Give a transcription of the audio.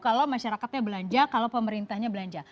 kalau masyarakatnya belanja kalau pemerintahnya belanja